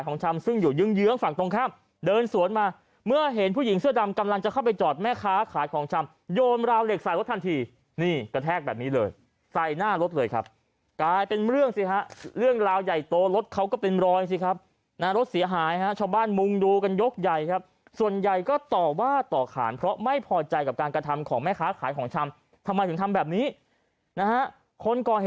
ผู้หญิงเสื้อดำกำลังจะเข้าไปจอดแม่ค้าขายของชำโยนราวเหล็กใส่รถทันทีนี่กระแทกแบบนี้เลยใส่หน้ารถเลยครับกลายเป็นเรื่องสิฮะเรื่องราวใหญ่โตรถเขาก็เป็นรอยสิครับหน้ารถเสียหายฮะชาวบ้านมุงดูกันยกใหญ่ครับส่วนใหญ่ก็ต่อว่าต่อขานเพราะไม่พอใจกับการกระทำของแม่ค้าขายของชำทำไมถึงทำแบบนี้นะฮ